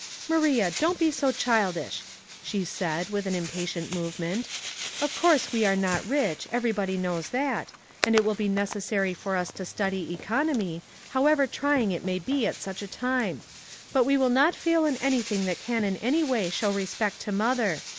'* Maria, don't be so childish," she said, with an impatient movement. " Of course we are not rich, everybody knows that, and it will be neces sary for us to study economy, however trying it may be at such a time ; but we will not fail in anything that can in any way show respect to mother.